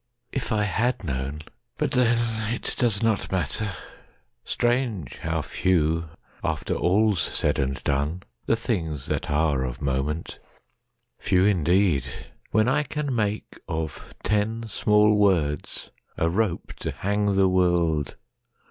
If I had known—But then, it does not matter. Strange how few, After all's said and done, the things that areOf moment. Few indeed! When I can makeOf ten small words a rope to hang the world!